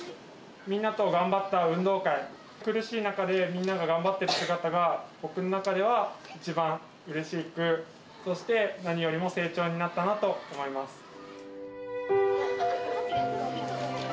みんなと頑張った運動会、苦しい中でみんなが頑張っている姿が、僕の中では一番うれしく、そして何よりも成長になったなと思います。